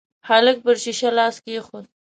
هلک پر شيشه لاس کېښود.